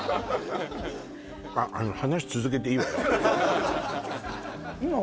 あっあの話続けていいわよ